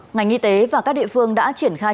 ngành y tế và các địa phương đã triển khai